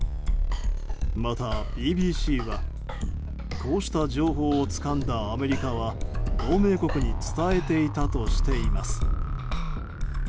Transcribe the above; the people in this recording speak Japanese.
またＢＢＣはこうした情報をつかんだ、アメリカは同盟国に伝えていたとしています。